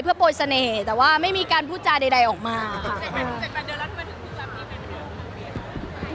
เพื่อโปรยเสน่ห์แต่ว่าไม่มีการพูดจาใดออกมา